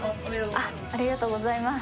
ありがとうございます。